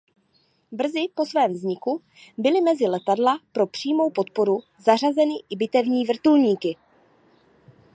Brzy po svém vzniku byly mezi letadla pro přímou podporu zařazeny i bitevní vrtulníky.